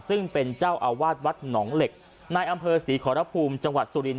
ซึ่งเป็นเจ้าอาวาสวัดหนองเหล็กในอำเภอศรีขอรภูมิจังหวัดสุรินท